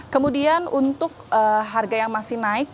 kemudian untuk harga yang masih naik